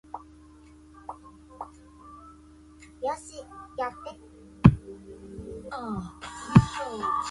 正德兒童遊戲場